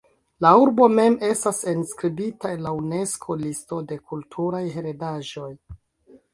La urbo mem estas enskribita en la Unesko-listo de kulturaj heredaĵoj.